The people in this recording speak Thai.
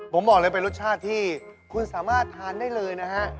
ผมบอกเลยเป็นรสชาติที่คุณสามารถทานได้เลยนะฮะ